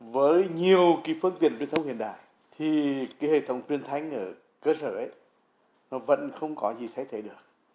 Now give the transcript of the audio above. với nhiều phương tiện truyền thông hiện đại thì hệ thống truyền thanh ở cơ sở vẫn không có gì thay thế được